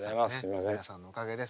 皆さんのおかげです。